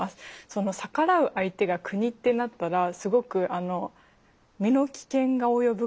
その逆らう相手が国ってなったらすごく身の危険が及ぶ可能性がすごく高い。